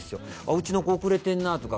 うちの子遅れてんなとか